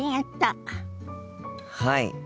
はい。